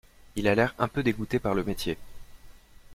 Il a l’air un peu dégoûté par le métier.